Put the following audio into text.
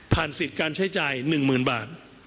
ผ่านสิทธิ์การใช้จ่าย๑หมื่นบาท